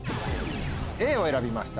Ａを選びました